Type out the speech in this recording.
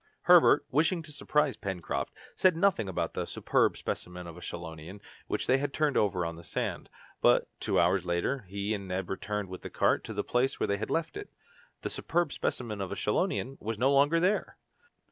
Herbert, wishing to surprise Pencroft, said nothing about the "superb specimen of a chelonian" which they had turned over on the sand, but, two hours later, he and Neb returned with the cart to the place where they had left it. The "superb specimen of a chelonian" was no longer there!